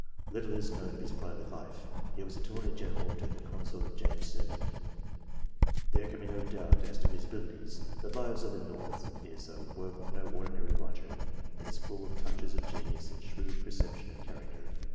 Little is known of his private life. He was Attorney General to the consort of James II. There can be no doubt as to his abilities. The " Lives of the Norths " is a work of no ordinary writer. It is full of touches of genius and shrewd perception of character.